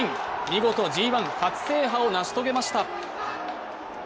見事、ＧⅠ初制覇を成し遂げました。